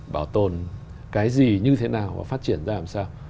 bảo tồn cái gì như thế nào và phát triển ra làm sao